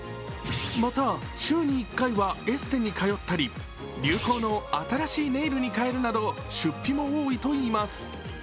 また週に１回はエステに通ったり、流行の新しいネイルに変えるなど出費も多いといいます。